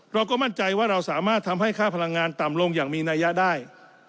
เราก็มั่นใจว่าเราสามารถทำให้ค่าพลังงานต่ำลงอย่างมีนัยยะได้